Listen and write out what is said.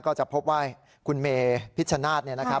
ก็จะพบว่าคุณเมพิชชนาธิ์เนี่ยนะครับ